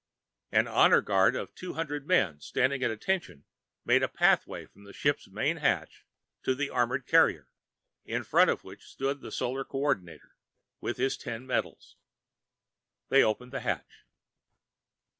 An honor guard of two hundred men standing at attention made a pathway from the ship's main hatch to the armored carrier, in front of which stood the Solar Co ordinator, with his ten medals. They opened the hatch.